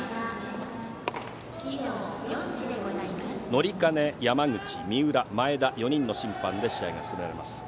乗金、山口、三浦、前田の４人の審判で試合が進められます。